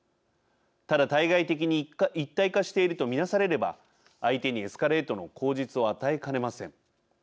ただ、対外的に一体化していると見なされれば相手にエスカレートの口実を与えかねません。